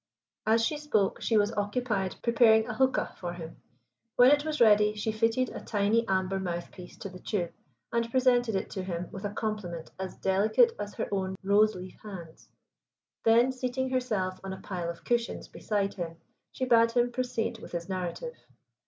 As she spoke she was occupied preparing a huqa for him. When it was ready she fitted a tiny amber mouthpiece to the tube, and presented it to him with a compliment as delicate as her own rose leaf hands. Then, seating herself on a pile of cushions beside him, she bade him proceed with his narrative.